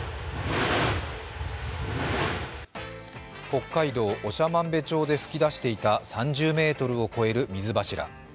北海道長万部町で噴き出していた３０ｍを超える水柱。